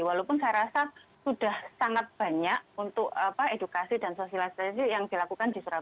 walaupun saya rasa sudah sangat banyak untuk edukasi dan sosialisasi yang dilakukan di surabaya